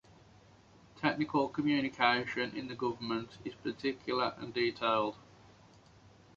Technical communication in the government is particular and detailed.